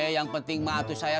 yang penting matuh saya